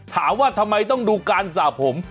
ถามว่าทำไมต้องดูการสระผม